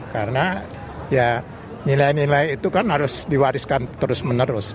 karena ya nilai nilai itu kan harus diwariskan terus menerus